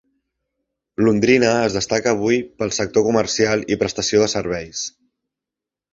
Londrina es destaca avui pel sector comercial i prestació de serveis.